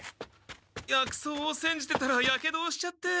薬草をせんじてたらやけどをしちゃって。